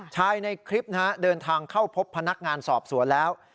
ในคลิปนะฮะเดินทางเข้าพบพนักงานสอบสวนแล้ว